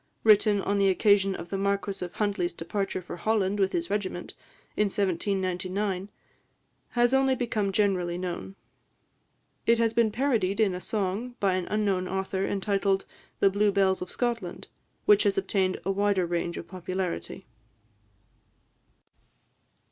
written on the occasion of the Marquis of Huntly's departure for Holland with his regiment, in 1799, has only become generally known. It has been parodied in a song, by an unknown author, entitled "The Blue Bells of Scotland," which has obtained a wider range of popularity.